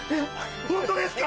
ホントですか？